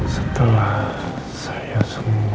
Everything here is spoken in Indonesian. setelah saya semua